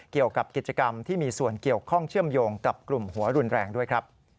เกี่ยวกับกิจกรรมที่มีส่วนเกี่ยวข้องเชื่อมโยงกับกลุ่มหัวรุนแรงด้วยครับ